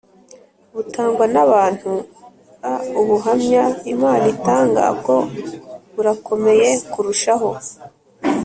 butangwa n abantu a ubuhamya Imana itanga bwo burakomeye kurushaho